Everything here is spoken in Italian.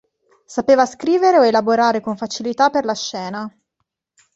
Sapeva scrivere o elaborare con facilità per la scena.